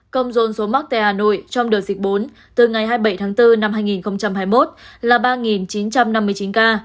công dôn số mắc tại hà nội trong đợt dịch bốn từ ngày hai mươi bảy tháng bốn năm hai nghìn hai mươi một là ba chín trăm năm mươi chín ca